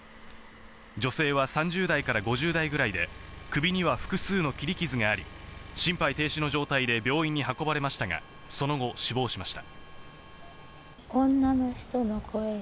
女性は３０代から５０代くらいで首には複数の切り傷があり、心肺停止の状態で病院に運ばれましたが、その後、死亡しました。